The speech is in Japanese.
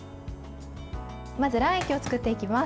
まず卵液を作っていきます。